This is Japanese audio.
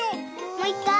もういっかい？